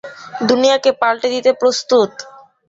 দুনিয়াকে পালটে দিতে প্রস্তুত?